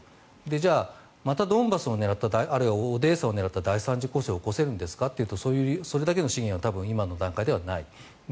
じゃあ、またドンバスを狙ったあるいはオデーサを狙った第３次攻勢を起こせるんですかというとそれだけのものは今はない。